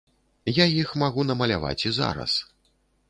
Я іх магу намаляваць і зараз.